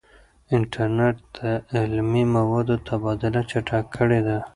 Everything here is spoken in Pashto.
انټرنیټ د علمي موادو تبادله چټکه کړې ده.